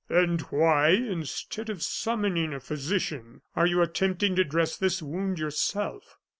"And why, instead of summoning a physician, are you attempting to dress this wound yourself?"